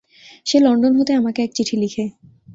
সে London হতে আমাকে এক চিঠি লেখে।